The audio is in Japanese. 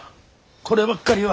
こればっかりは。